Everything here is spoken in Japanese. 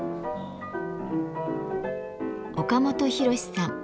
岡本啓さん。